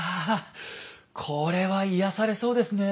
これは癒やされそうですねえ。